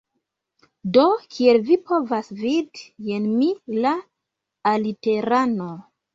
Do, kiel vi povas vidi, jen mi, la aliterano